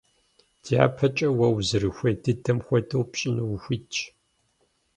ДяпэкӀэ, уэ узэрыхуей дыдэм хуэдэу пщӀыну ухуитщ.